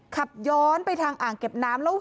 ขับย้อนไปทางอ่างเก็บน้ำแล้ว